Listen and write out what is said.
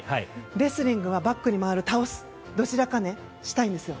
レスリングはバックに回る、倒すのどちらかをしたいんです。